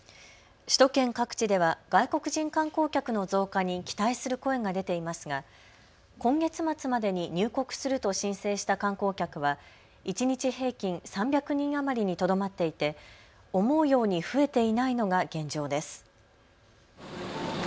首都圏各地では外国人観光客の増加に期待する声が出ていますが今月末までに入国すると申請した観光客は一日平均３００人余りにとどまっていて思うように増えていないのが現状です。